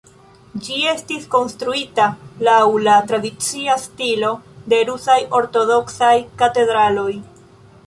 Ĝi estis konstruita laŭ la tradicia stilo de rusaj ortodoksaj katedraloj.